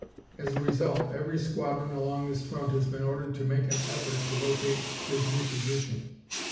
As a result, every squadron along this front has been ordered to make an effort to locate his new position.